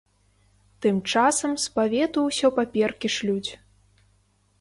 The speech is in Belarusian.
Тым часам з павету ўсё паперкі шлюць.